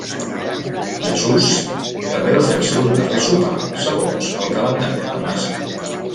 Jesús també va fer el seu darrer sopar segons el calendari de Damasc.